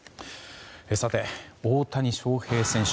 さて、大谷翔平選手